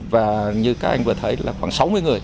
và như các anh vừa thấy là khoảng sáu mươi người